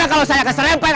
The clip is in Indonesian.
gimana kalau saya keserempet